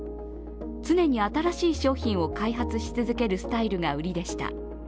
常に新しい商品を開発し続けるスタイルが売りでした。